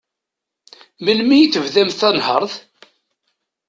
Melmi i tebdamt tanhert?